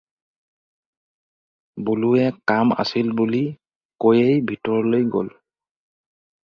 বলোৱে কাম আছিল বুলি কৈয়েই ভিতৰলৈ গ'ল।